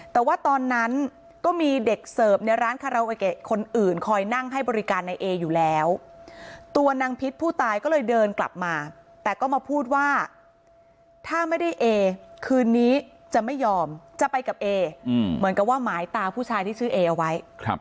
แต่ว่าตอนนั้นก็มีเด็กเสิร์ฟในร้านคาราโอเกะคนอื่นคอยนั่งให้บริการในเออยู่แล้วตัวนางพิษผู้ตายก็เลยเดินกลับมาแต่ก็มาพูดว่าถ้าไม่ได้เอคืนนี้จะไม่ยอมจะไปกับเอเหมือนกับว่าหมายตาผู้ชายที่ชื่อเอเอาไว้